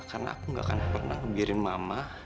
karena aku gak akan pernah biarin mama